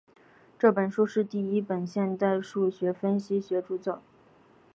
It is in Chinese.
这本书是第一本现代数学分析学着作。